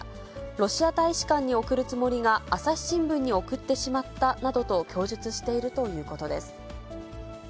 ロシア大使館に送るつもりが、朝日新聞に送ってしまったなどと供述しているということです。